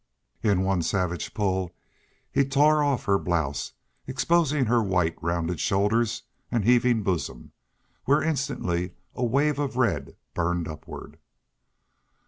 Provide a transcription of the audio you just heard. In one savage pull he tore off her blouse, exposing her white, rounded shoulders and heaving bosom, where instantly a wave of red burned upward.